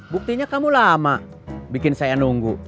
buktinya kamu lama bikin saya nunggu